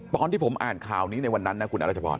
ตอนที่ผมอ่านข่าวนี้ในวันนั้นนะคุณอรัชพร